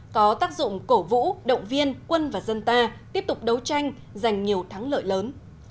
có tác dụng cổ vũ động viên quân và dân ta tiếp tục đấu tranh giành nhiều thắng lợi lớn